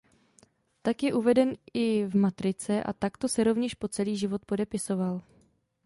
Tak je uveden i v matrice a takto se rovněž po celý život podepisoval.